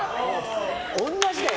同じだよ。